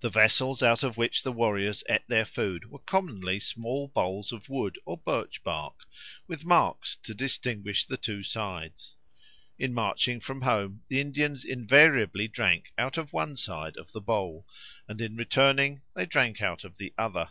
The vessels out of which the warriors ate their food were commonly small bowls of wood or birch bark, with marks to distinguish the two sides; in marching from home the Indians invariably drank out of one side of the bowl, and in returning they drank out of the other.